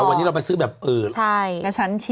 แต่วันนี้เราไปซื้อแบบกระชันชิด